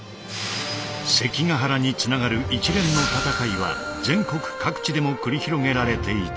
関ヶ原につながる一連の戦いは全国各地でも繰り広げられていた。